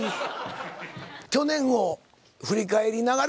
去年を振り返りながら。